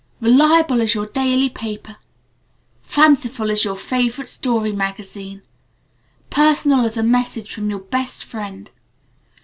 Reliable as your Daily Paper. Fanciful as your Favorite Story Magazine. Personal as a Message from your Best Friend.